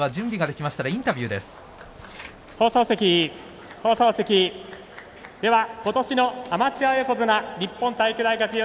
では今年のアマチュア横綱日本体育大学４